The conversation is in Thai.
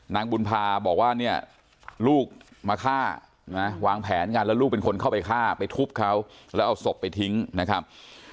นางบุญภาบอกว่าเนี่ยลูกมาฆ่านะวางแผนกันแล้วลูกเป็นคนเข้าไปฆ่าไปทุบเขาแล้วเอาศพไปทิ้งนะครับ